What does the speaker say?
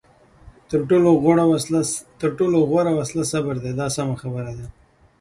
تر ټولو غوره وسله صبر دی دا سمه خبره ده.